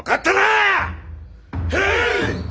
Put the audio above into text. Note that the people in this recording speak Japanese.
へい！